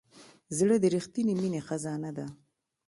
زړه د رښتینې مینې خزانه ده.